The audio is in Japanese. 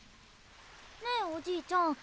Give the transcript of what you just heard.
ねえおじいちゃん。